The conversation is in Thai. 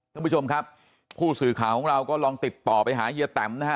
ท่านผู้ชมครับผู้สื่อข่าวของเราก็ลองติดต่อไปหาเฮียแตมนะฮะ